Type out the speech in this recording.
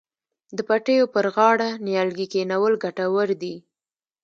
د پټیو پر غاړه نیالګي کینول ګټور دي.